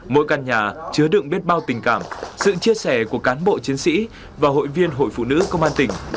mỗi căn nhà chứa đựng biết bao tình cảm sự chia sẻ của cán bộ chiến sĩ và hội viên hội phụ nữ công an tỉnh